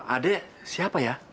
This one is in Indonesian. ade siapa ya